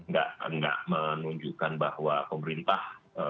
gak menunjukkan bahwa pemerintah